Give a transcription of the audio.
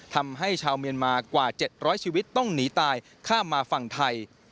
ทำให้ชาวเมียนมากว่า๗๐๐ชีวิตต้องหนีตายข้ามมาฝั่งไทย